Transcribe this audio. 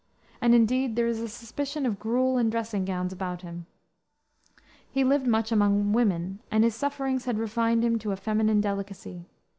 And, indeed, there is a suspicion of gruel and dressing gowns about him. He lived much among women, and his sufferings had refined him to a feminine delicacy.